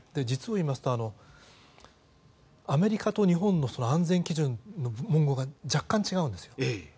実を言いますとアメリカと日本の安全基準の文言が若干違うんです。